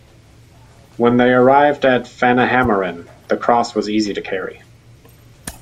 When they arrived at Fanahammeren, the cross was easy to carry.